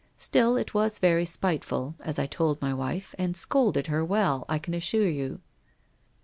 Still it was very spiteful, as I told my wife, and scolded her well, I can assure you.'